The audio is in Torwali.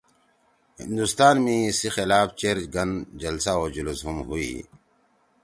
ہندوستان می ایِسی خلاف چیر گن جلسہ او جلُوس ہُم ہُوئی